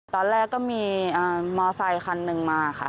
ตอนแรกก็มีมอไซคันหนึ่งมา